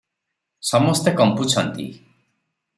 ସମସ୍ତେ କମ୍ପୁଛନ୍ତି ।